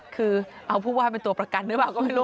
คือเอาผู้ว่าเป็นตัวประกันหรือเปล่าก็ไม่รู้